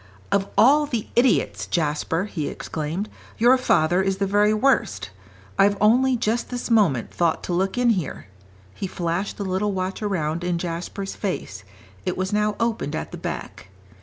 "Of all the idiots, Jasper," he exclaimed, "your father is the very worst. I've only just this moment thought to look in here." He flashed the little watch around in Jasper's face; it was now opened at the back.